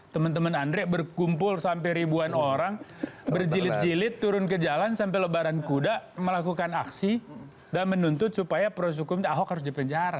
teman teman andre berkumpul sampai ribuan orang berjilid jilid turun ke jalan sampai lebaran kuda melakukan aksi dan menuntut supaya proses hukum ahok harus dipenjara